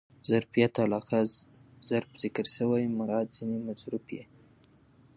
ظرفیت علاقه؛ ظرف ذکر سي مراد ځني مظروف يي.